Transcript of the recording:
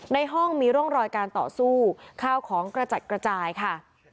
ในห้องมีร่องรอยการต่อสู้ข้าวของกระจัดกระจายค่ะ